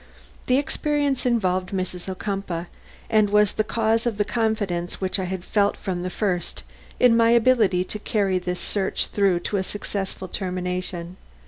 This experience involved Mrs. Ocumpaugh, and was the cause of the confidence which I had felt from the first in my ability to carry this search through to a successful termination.